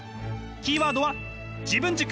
キーワードは自分軸！